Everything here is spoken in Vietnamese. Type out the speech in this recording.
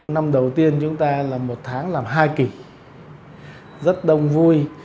năm đầu tiên chúng ta là một tháng làm hai kỳ rất đông vui